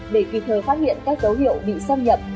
để kịp thời phát hiện các dấu hiệu bị xâm nhập